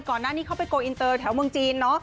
ก่อนหน้านี้เขาไปโกลอินเตอร์แถวเมืองจีนเนอะ